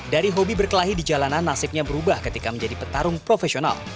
dari hobi berkelahi di jalanan nasibnya berubah ketika menjadi petarung profesional